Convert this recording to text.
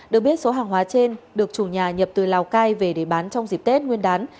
được biết số hàng hóa trên được chủ nhà nhập từ lào cai về để bán trong dịp tết nguyên đán